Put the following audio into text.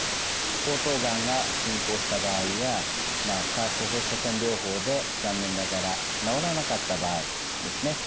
喉頭がんが進行した場合や化学放射線療法で残念ながら治らなかった場合ですね